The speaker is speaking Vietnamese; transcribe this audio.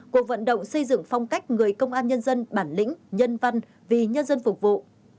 cuộc vận động xây dựng phong cách người công an nhân dân bản lĩnh nhân văn vì nhân dân phục vụ